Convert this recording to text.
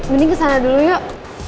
mending kesana dulu yuk